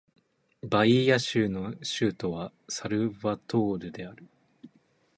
バイーア州の州都はサルヴァドールである